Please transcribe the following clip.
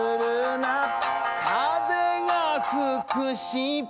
「風が吹くし」